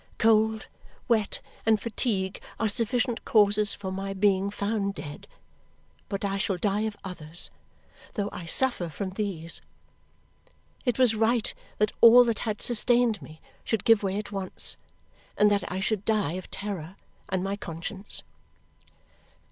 Cold, wet, and fatigue are sufficient causes for my being found dead, but I shall die of others, though I suffer from these. It was right that all that had sustained me should give way at once and that I should die of terror and my conscience.